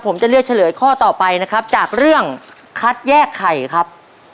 ผมจะเลือกเฉลยข้อต่อไปนะครับจากเรื่องคัดแยกไข่ครับ